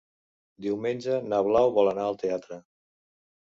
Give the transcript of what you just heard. Diumenge na Blau vol anar al teatre.